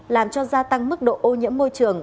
làm cho gia tăng mức độ ô nhiễm môi trường